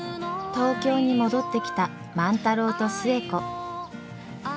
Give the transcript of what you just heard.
東京に戻ってきた万太郎と寿恵子。